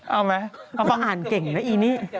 เอาไหมเอาเขาอ่านเก่งนะอีนี่